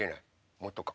もっとか。